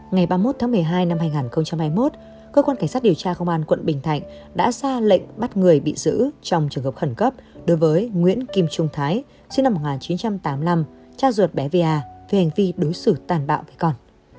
ngày ba mươi một tháng một mươi hai năm hai nghìn hai mươi một cơ quan cảnh sát điều tra công an quận bình thạnh đã ra lệnh bắt người bị giữ trong trường hợp khẩn cấp đối với nguyễn kim trung thái sinh năm một nghìn chín trăm tám mươi năm cha ruột mẹ về hành vi đối xử tàn bạo với con